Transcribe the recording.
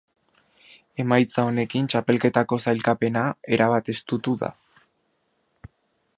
Emaitza honekin txapelketako sailkapena erabat estutu da.